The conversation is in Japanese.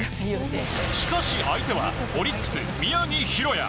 しかし相手はオリックス、宮城大弥。